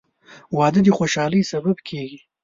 • واده د خوشحالۍ سبب کېږي.